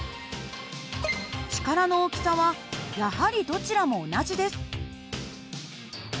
力の大きさはやはりどちらも同じです。